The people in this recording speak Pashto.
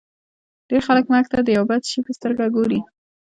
ډېر خلک مرګ ته د یوه بد شي په سترګه ګوري